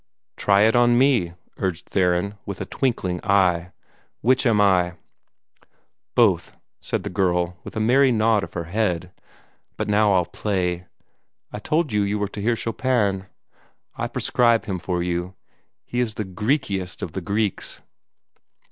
"Try it on me," urged Theron, with a twinkling eye. "Which am I?" "Both," said the girl, with a merry nod of the head. "But now I'll play. I told you you were to hear Chopin. I prescribe him for you. He is the Greekiest of the Greeks.